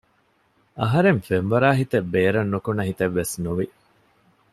އަހަރެން ފެންވަރާހިތެއް ބޭރަށް ނުކުނަ ހިތެއްވެސް ނުވި